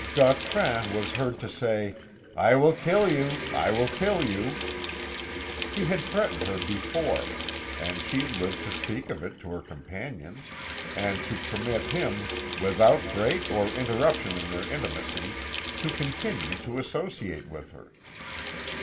"Gautran was hear to say, 'I will kill you I will kill you!' He had threatened her before, and she lived to speak of it to her companions, and to permit him, without break or interruption in their intimacy, to continue to associate with her.